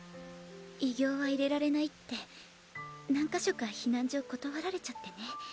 異形は入れられないって何か所か避難所断られちゃってね。